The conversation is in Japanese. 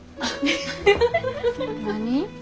何？